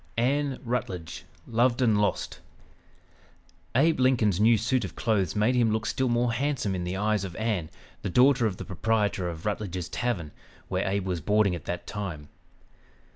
ANN RUTLEDGE "LOVED AND LOST" Abe Lincoln's new suit of clothes made him look still more handsome in the eyes of Ann, the daughter of the proprietor of Rutledge's Tavern, where Abe was boarding at that time.